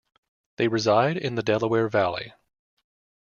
They reside in the Delaware Valley.